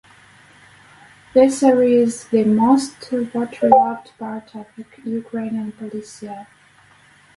This area is the most waterlogged part of Ukrainian Polissya.